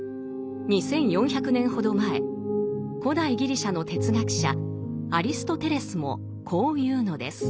２，４００年ほど前古代ギリシャの哲学者アリストテレスもこう言うのです。